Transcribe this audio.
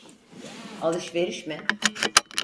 Alışveriş mi?